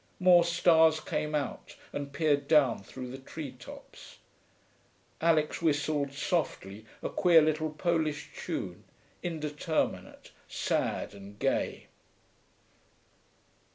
More stars came out and peered down through the tree tops. Alix whistled softly, a queer little Polish tune, indeterminate, sad and gay.